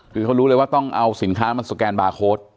คือเขารู้เลยว่าต้องเอาสินค้ามาสแกนบาร์โค้ด